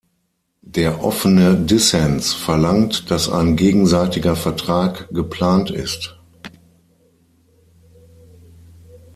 Der offene Dissens verlangt, dass ein gegenseitiger Vertrag geplant ist.